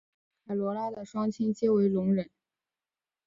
凯萝拉的双亲皆为聋人。